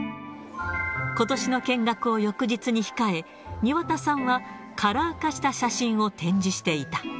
ことしの見学を翌日に控え、庭田さんはカラー化した写真を展示していた。